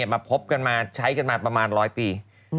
มาพบกันมาใช้กันมาประมาณร้อยปี